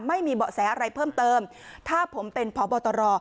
ไม่มีเบาะแสอะไรเพิ่มเติมถ้าผมเป็นพบตร